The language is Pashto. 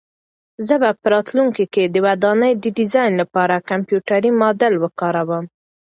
زه به په راتلونکي کې د ودانۍ د ډیزاین لپاره کمپیوټري ماډل وکاروم.